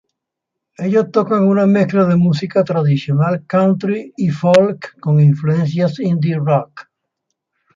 Ellos tocan una mezcla de música tradicional country y folk con influencias indie rock.